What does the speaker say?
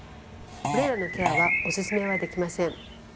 これらのケアはオススメはできません。